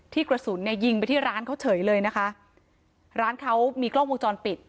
กระสุนเนี่ยยิงไปที่ร้านเขาเฉยเลยนะคะร้านเขามีกล้องวงจรปิด